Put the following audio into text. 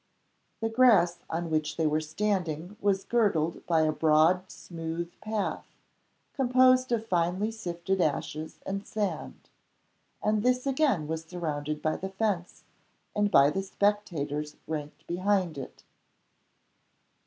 The grass on which they were standing was girdled by a broad smooth path, composed of finely sifted ashes and sand and this again was surrounded by the fence and by the spectators ranked behind it.